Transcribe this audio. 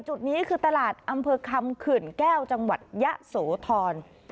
จุดนี้คือตลาดอำเภอคำขื่นแก้วจังหวัดยะโสธร